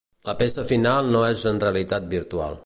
La peça final no és en realitat virtual.